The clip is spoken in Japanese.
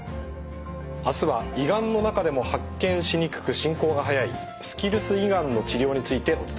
あすは胃がんの中でも発見しにくく進行が早いスキルス胃がんの治療についてお伝えします。